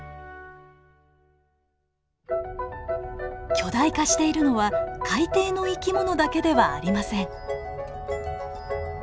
巨大化しているのは海底の生き物だけではありません。